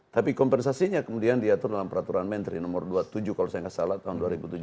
tapi kompensasinya kemudian diatur dalam peraturan menteri nomor dua puluh tujuh tahun dua ribu tujuh belas